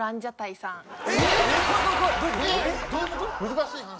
難しい話。